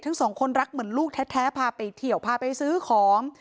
ทั้งสองคนรักเหมือนลูกแท้พาไปเที่ยวพาไปซื้อของ